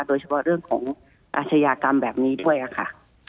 โดยเฉพาะเรื่องของอาชญากรรมแบบนี้ด้วยค่ะ